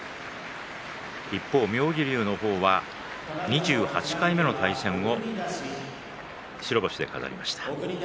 一方、妙義龍の方は２８回目の対戦を白星を飾りました。